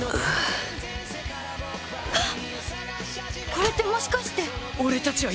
これって、もしかして。